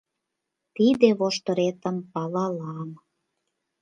Тиде воштыретым палалам: